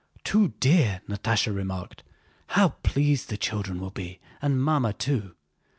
"Too dear!" Natásha remarked. "How pleased the children will be and Mamma too!